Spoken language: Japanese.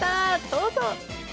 どうぞ。